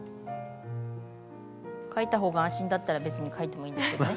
描いたほうが安心だったら別に描いてもいいんですけどね。